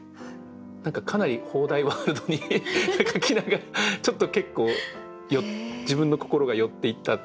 何かかなり「方代ワールド」に書きながらちょっと結構自分の心が寄っていったところがあって。